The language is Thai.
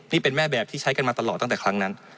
นี่เป็นแม่แบบที่ใช้กันมาตลอดตั้งแต่ครั้งนั้น